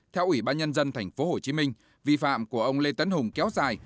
theo ủy ban nhân dân tp hcm vi phạm của ông lê tấn hùng kéo dài